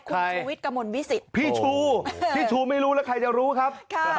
คุณชูวิทย์กระมวลวิสิตพี่ชูพี่ชูไม่รู้แล้วใครจะรู้ครับ